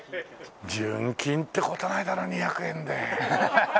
純金って事はないだろ２００円で。